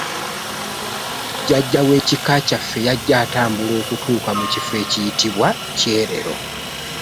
Jjajja w’ekika kyaffe yajja atambula okutuuka mu kifo ekiyitibwa Kyerero.